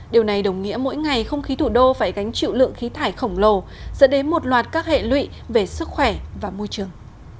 điều này đồng nghĩa mỗi ngày không khí thủ đô phải gánh chịu lượng khí thải khổng lồ dẫn đến một loạt các hệ lụy về sức khỏe và môi trường